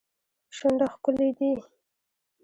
شونډه ښکلې دي.